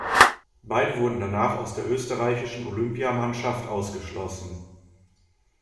Beide wurden danach aus der österreichischen Olympiamannschaft ausgeschlossen.